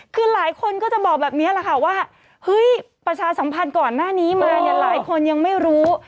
คือหลายคนก็จะบอกแบบนี้แหละค่ะว่าเฮ้ยประชาสัมพันธ์ก่อนหน้านี้มาเนี่ยหลายคนยังไม่รู้